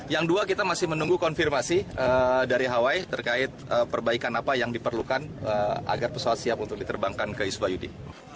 yang dua kita masih menunggu konfirmasi dari hawaii terkait perbaikan apa yang diperlukan agar pesawat siap untuk diterbangkan ke iswayudi